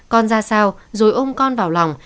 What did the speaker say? con ra sao rồi ôm con vào lòng